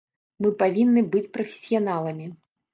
Мы павінны быць прафесіяналамі.